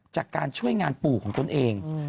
จากการช่วยงานปู่ของตนเอง